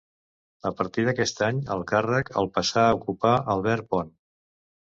A partir d'aquest any, el càrrec el passà a ocupar Albert Pont.